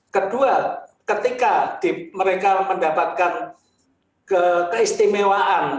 kedua ketika mereka mendapatkan keistimewaan